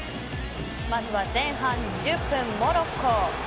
まずは前半１０分モロッコ。